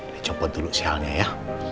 ngecompo dulu shal nya ya